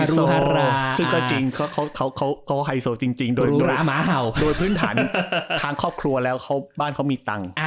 ซึ่งก็จริงเขาไฮโซจริงโดยพื้นฐานทางครอบครัวแล้วบ้านเขามีตังค์